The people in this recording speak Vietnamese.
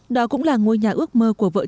đó cũng là ngôi nhà ước mơ của vợ